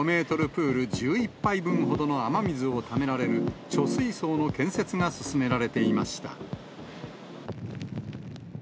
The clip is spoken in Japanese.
プール１１杯分ほどの雨水をためられる、貯水槽の建設が進められていました。